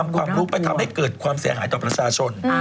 เกิดความเสียหายต่อประชาชน